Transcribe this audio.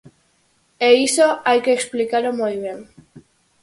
E iso hai que explicalo moi ben.